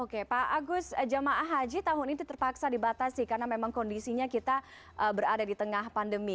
oke pak agus jamaah haji tahun ini terpaksa dibatasi karena memang kondisinya kita berada di tengah pandemi